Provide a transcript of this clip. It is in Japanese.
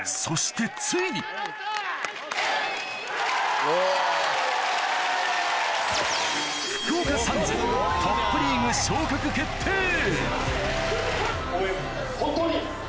そしてついに決定！